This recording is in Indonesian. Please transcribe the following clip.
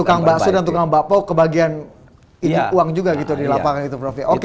tukang bakso dan tukang bakpao kebagian uang juga gitu di lapangan itu prof ya oke